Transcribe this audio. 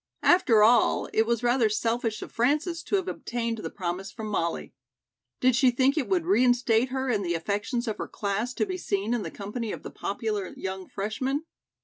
After all, it was rather selfish of Frances to have obtained the promise from Molly. Did she think it would reinstate her in the affections of her class to be seen in the company of the popular young freshman?